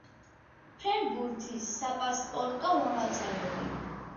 ფრენბურთის „საპასპორტო“ მონაცემები